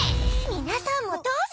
みなさんもどうぞ。